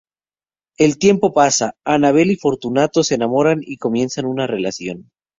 El tiempo pasa, Annabelle y Fortunato se enamoran y comienzan una relación.